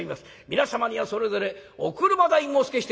皆様にはそれぞれお車代もおつけして」。